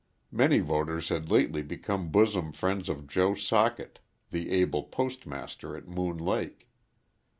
Many voters had lately become bosom friends of Joe Socket, the able postmaster at Moon Lake.